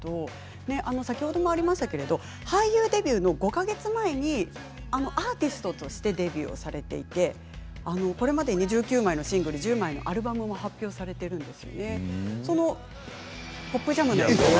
先ほどもありましたけど俳優デビューの５か月前にアーティストとしてデビューをされていてこれまでに１９枚のシングル１０枚のアルバムを発表されていますね。